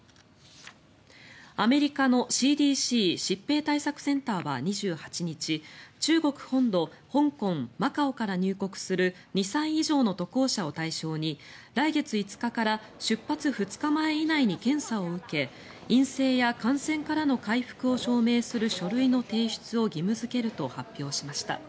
アメリカのＣＤＣ・疾病対策センターは２８日、中国本土香港・マカオから入国する２歳以上の渡航者を対象に来月５日から出発２日前以内に検査を受け陰性や感染からの回復を証明する書類の提出を義務付けると発表しました。